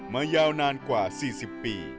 ยาวนานกว่า๔๐ปี